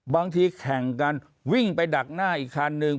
บางทีแข่งกันวิ่งไปดักหน้าอีกคันนึง